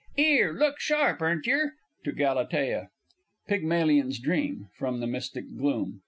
'Ere, look sharp, earn't yer! (To GALATEA.) PYGMALION'S DREAM (from the Mystic gloom).